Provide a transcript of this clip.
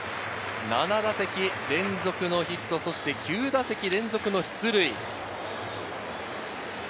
７打席連続ヒット、そして９打席連続出塁。